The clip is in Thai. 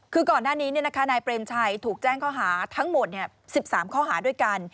คือก่อนหน้านี้นายเปรมชัยถูกแจ้งข้อหาทั้งหมด๑๓ข้อหาด้วยกัน